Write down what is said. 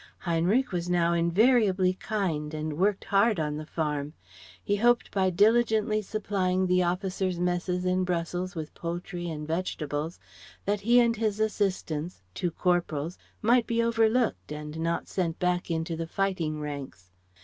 Heinrich was now invariably kind and worked hard on the farm. He hoped by diligently supplying the officers' messes in Brussels with poultry and vegetables that he and his assistants two corporals might be overlooked and not sent back into the fighting ranks.